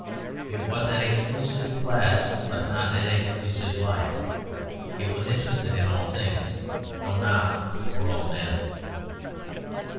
It was an exclusive class, but not an exclusive life; it was interested in all things, though not for all men.